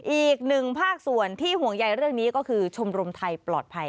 อีกหนึ่งภาคส่วนที่ห่วงใยเรื่องนี้ก็คือชมรมไทยปลอดภัย